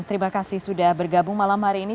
terima kasih sudah bergabung malam hari ini